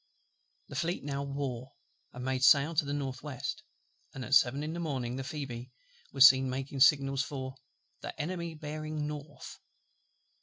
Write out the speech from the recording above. The Fleet now wore, and made sail to the north west; and at seven in the morning the Phoebe was seen making signals for "the Enemy bearing north."